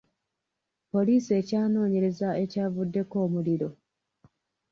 Poliisi ekyanoonyereza ekyavuddeko omuliro.